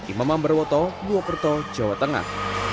imam ambar woto buwokerto jawa tengah